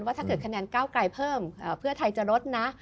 ที่ถ้าเกิดแคะวไกลเพิ่มเพื่อไทยจะลดนะ